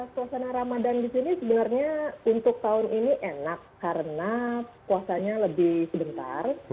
suasana ramadan di sini sebenarnya untuk tahun ini enak karena puasanya lebih sebentar